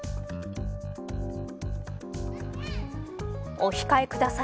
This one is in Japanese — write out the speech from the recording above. お控えください